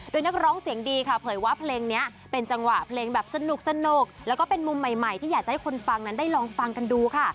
โดยนักร้องเสียงดีค่ะเผยว่าเพลงนี้เป็นจังหวะเพลงแบบสนุกแล้วก็เป็นมุมใหม่ที่อยากจะให้คนฟังนั้นได้ลองฟังกันดูค่ะ